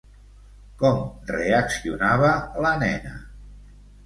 Com reaccionava la nena?